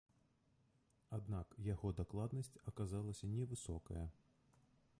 Аднак яго дакладнасць аказалася невысокая.